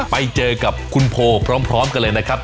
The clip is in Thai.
ไปเจอกับคุณโพพร้อมกันเลยนะครับ